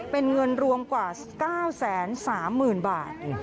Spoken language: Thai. เป็นเงินรวมกว่า๙๓๐๐๐บาท